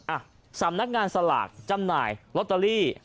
อ่ะสำนักงานสลากจำหน่ายลอตเตอรี่